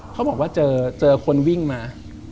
เขาบอกว่าเจอคนวิ่งมา